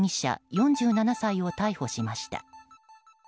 ４７歳を逮捕しました。